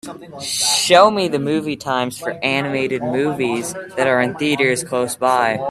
Show me the movie times for animated movies that are in theaters close by